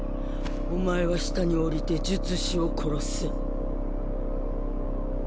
お前は下に下りて術師を殺せ。